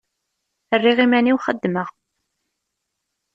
Rriɣ iman-iw xeddmeɣ.